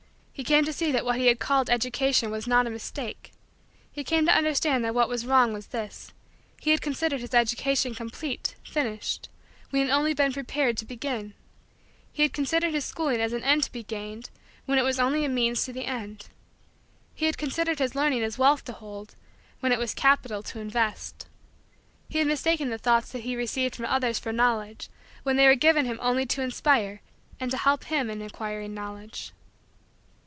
He came to see that what he had called education was not a mistake. He came to understand that what was wrong was this: he had considered his education complete, finished, when he had only been prepared to begin. He had considered his schooling as an end to be gained when it was only a means to the end. He had considered his learning as wealth to hold when it was capital to invest. He had mistaken the thoughts that he received from others for Knowledge when they were given him only to inspire and to help him in acquiring Knowledge.